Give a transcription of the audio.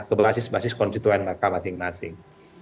ke basis basis konstituen mereka masing masing